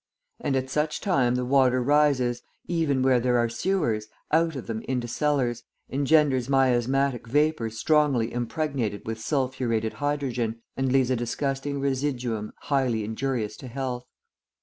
And at such times the water rises, even where there are sewers, out of them into cellars, {40a} engenders miasmatic vapours strongly impregnated with sulphuretted hydrogen, and leaves a disgusting residuum highly injurious to health.